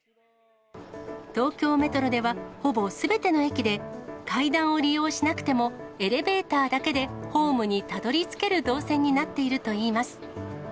東京メトロでは、ほぼすべての駅で、階段を利用しなくても、エレベーターだけでホームにたどりつける動線になっているといいます。